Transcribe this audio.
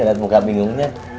gak ada muka bingungnya